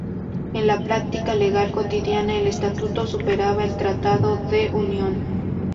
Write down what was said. En la práctica legal cotidiana, el estatuto superaba el tratado de unión.